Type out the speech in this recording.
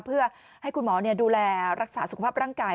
เพื่อให้คุณหมอดูแลรักษาสุขภาพร่างกาย